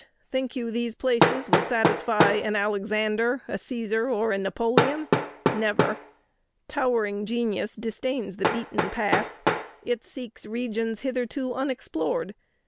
Think you these places would satisfy an Alexander, a Cæsar, or a Napoleon? Never! Towering genius disdains a beaten path. It seeks regions hitherto unexplored.